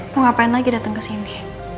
mau ngapain lagi datang ke sini